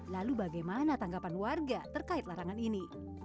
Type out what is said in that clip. lalu bagaimana tanggapan warga terkait larangan ini